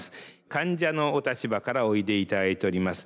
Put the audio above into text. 患者のお立場からおいでいただいております